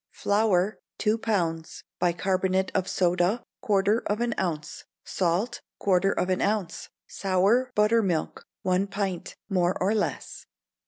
Flour, two pounds; bicarbonate of soda, quarter of an ounce; salt, quarter of an ounce; sour buttermilk, one pint, more or less.